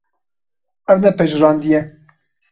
Ev ne pejirandî ye.